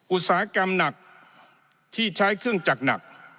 อุตสาหกรรมหนักที่ใช้เครื่องจักรหนัก